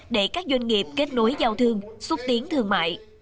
để các doanh nghiệp kết nối giao thương xúc tiến thương mại